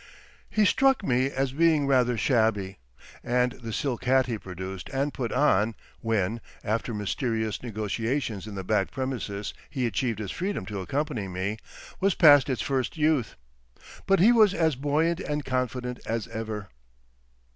He struck me as being rather shabby, and the silk hat he produced and put on, when, after mysterious negotiations in the back premises he achieved his freedom to accompany me, was past its first youth; but he was as buoyant and confident as ever.